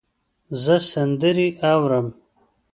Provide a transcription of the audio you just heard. زه سندرې اورم